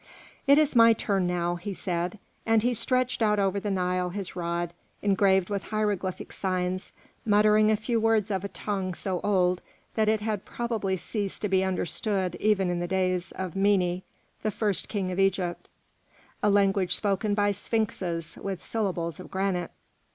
"It is my turn now," he said; and he stretched out over the Nile his rod engraved with hieroglyphic signs, muttering a few words of a tongue so old that it had probably ceased to be understood even in the days of Mene, the first king of Egypt, a language spoken by sphinxes, with syllables of granite.